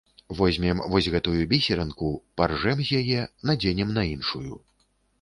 Возьмем вось гэтую бісерынку, паржэм з яе, надзенем на іншую.